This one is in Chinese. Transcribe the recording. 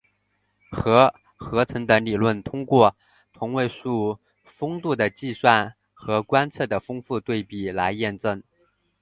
核合成的理论通过同位素丰度的计算和观测的丰度比对来验证。